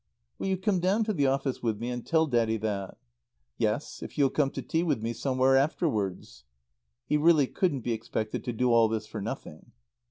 "Will you come down to the office with me and tell Daddy that?" "Yes, if you'll come to tea with me somewhere afterwards." (He really couldn't be expected to do all this for nothing.)